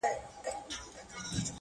دا د مشکو رباتونه خُتن زما دی!!